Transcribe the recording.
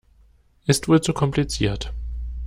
Ist wohl zu kompliziert.